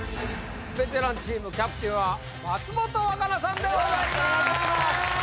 ベテランチームキャプテンは松本若菜さんでございますお願いいたしまーす